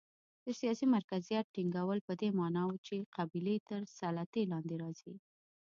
د سیاسي مرکزیت ټینګول په دې معنا و چې قبیلې تر سلطې لاندې راځي.